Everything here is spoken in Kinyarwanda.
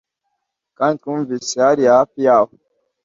Kandi twumvise hariya hafi yabo